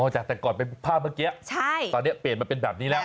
จากแต่ก่อนเป็นภาพเมื่อกี้ตอนนี้เปลี่ยนมาเป็นแบบนี้แล้ว